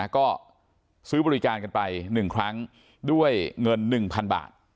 ก็ซื้อบริการกันไป๑ครั้งด้วยเงิน๑๐๐๐บาท